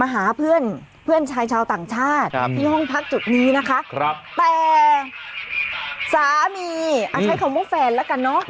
มาหาเพื่อนเพื่อนชายชาวต่างชาติที่ห้องพักจุดนี้นะคะแต่สามีใช้คำว่าแฟนแล้วกันเนอะ